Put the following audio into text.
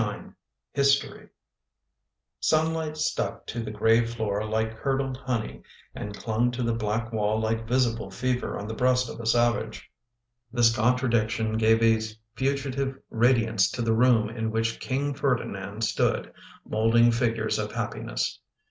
HISTORY SUNLIGHT stuck to the gray floor like curdled honey and clung to the black wall like visible fever on the breast of a savage. This contradiction gave a fugitive radiance to the room in which King Ferdinand stood, moulding figures of happiness.